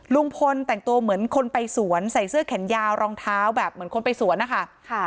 ลุงพลแต่งตัวเหมือนคนไปสวนใส่เสื้อแขนยาวรองเท้าแบบเหมือนคนไปสวนนะคะ